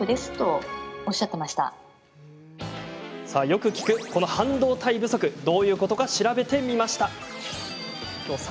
よく聞く、この半導体不足どういうことか調べてみました。